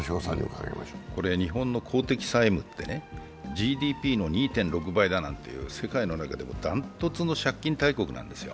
日本の公的債務ってＧＤＰの２．６倍なんていう世界の中でもダントツの借金大国なんですよ。